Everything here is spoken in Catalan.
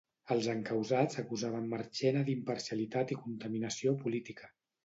Els encausats acusaven Marchena d'imparcialitat i contaminació política.